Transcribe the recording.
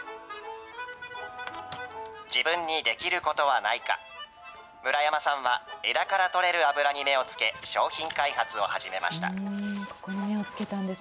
自分にできることはないか、村山さんは枝から採れる油に目をつけ、商品開発を始めました。